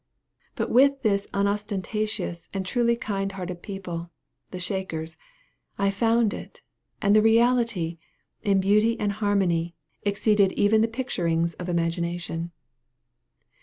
But with this unostentatious and truly kind hearted people, the Shakers, I found it; and the reality, in beauty and harmony, exceeded even the picturings of imagination.